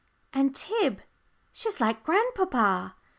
And, Tib, she's like grandpapa."